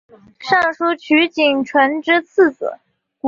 尚书瞿景淳之次子。